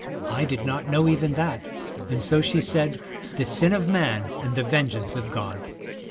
' I did not know even that, and so she said, 'the sin of man and the vengeance of God.